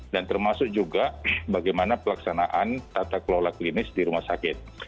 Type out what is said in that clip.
dan termasuk juga bagaimana pelaksanaan tata kelola klinis di rumah sakit